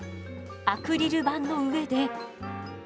アクリル板の上で。